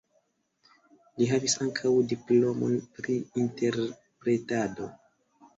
Li havis ankaŭ diplomon pri interpretado.